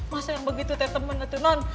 masa yang begitu teh temen itu non